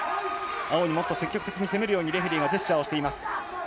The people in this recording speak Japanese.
青にもっと積極的に攻めるようにレフェリーがジェスチャーをしています。